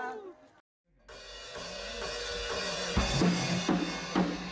kita bisa menjaga kekayaan manusia